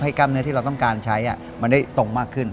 กล้ามเนื้อที่เราต้องการใช้มันได้ตรงมากขึ้น